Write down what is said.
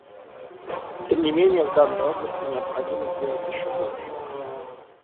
Тем не менее в данной области необходимо сделать еще больше.